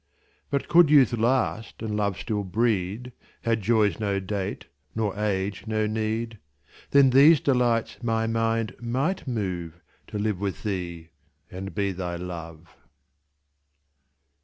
But could youth last, and love still breed, Had joys no date, nor age no need, Then these delights my mind might moveTo live with thee and be thy Love.